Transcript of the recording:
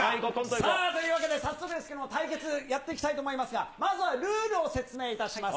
さあ、というわけで、対決やっていきたいと思いますが、まずはルールを説明いたします。